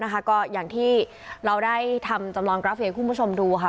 แล้วนะคะก็อย่างที่เราได้ทำจำลองกราฟเวทย์ให้คุณผู้ชมดูค่ะ